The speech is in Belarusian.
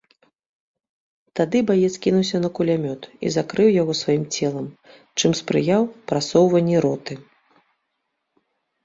Тады баец кінуўся на кулямёт і закрыў яго сваім целам, чым спрыяў прасоўванні роты.